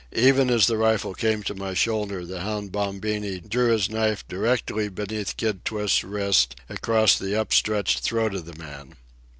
Even as the rifle came to my shoulder, the hound Bombini drew his knife directly beneath Kid Twist's wrist across the up stretched throat of the man.